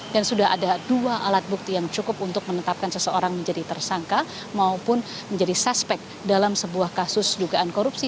dan sudah ada dua alat bukti yang cukup untuk menetapkan seseorang menjadi tersangka maupun menjadi suspek dalam sebuah kasus dugaan korupsi